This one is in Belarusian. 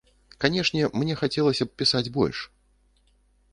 Канешне, мне хацелася б пісаць больш.